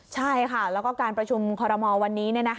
ใช่ค่ะแล้วก็การประชุมคอรมอลวันนี้